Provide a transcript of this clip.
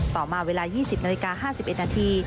ต่อมาเวลา๒๐นาฬิกา๕๑นาที